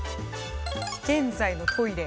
「現在」の「トイレ」。